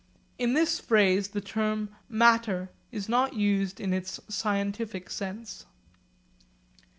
In this phrase the term 'matter' is not used in its scientific sense.